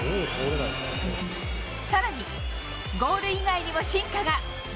さらに、ゴール以外にも進化が。